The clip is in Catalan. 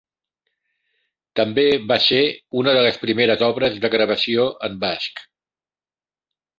També va ser una de les primeres obres de gravació en basc.